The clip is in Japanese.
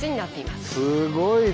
すごいね！